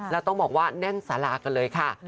แล้วต้องบอกว่าแน่นสารากันเลยค่ะ